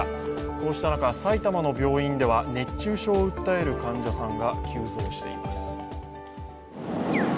こうした中、埼玉の病院では熱中症を訴える患者さんが急増しています。